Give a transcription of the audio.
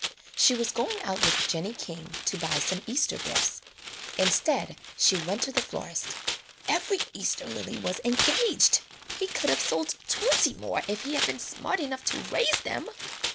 She was going out with Jennie King to buy some Easter gifts. Instead she went to the florist. ''Every Easter lily was engaged; he could have sold twenty more if he had been smart enough to raise them."